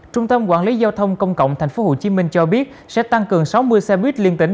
trung tâm quản lý giao thông công cộng tp hcm cho biết sẽ tăng cường sáu mươi xe buýt liên tỉnh